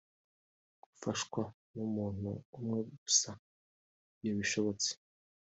Gufashwa n’umuntu umwe gusa iyo bishobotse